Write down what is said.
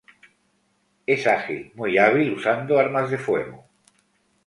Es ágil, muy hábil usando armas de fuego.